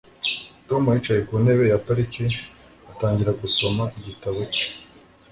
Tom yicaye ku ntebe ya parike atangira gusoma igitabo cye